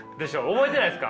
覚えてないですか？